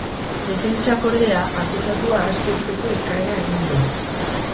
Defentsak, ordea, akusatua aske uzteko eskaera egin du.